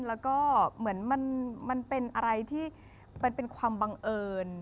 แล้วก็เหมือนมันเป็นอะไรที่มันเป็นความบังเอิญ